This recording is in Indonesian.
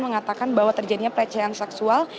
mengatakan bahwa terjadinya pelecehan seksual